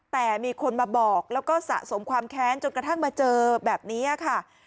แต่มีคนมาบอกแล้วก็สะสมความแค้นจนกระทั่งมาเจอแบบนี้ค่ะ